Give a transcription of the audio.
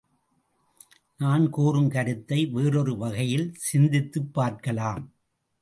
நான் கூறும் கருத்தை வேறொரு வகையில் சிந்தித்துப் பார்க்கலாம்.